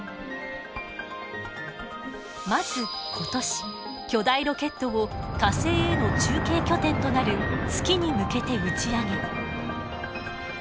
まず今年巨大ロケットを火星への中継拠点となる月に向けて打ち上げ。